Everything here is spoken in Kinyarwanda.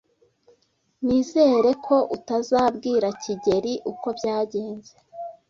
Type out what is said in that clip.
Nizere ko utazabwira kigeli uko byagenze.